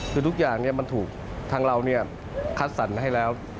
คือทุกอย่างมันถูกทางเราคัดสรรมาให้แล้ว